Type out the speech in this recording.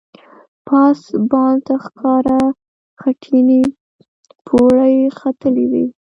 پاس بام ته ښکاره خټینې پوړۍ ختلې وې.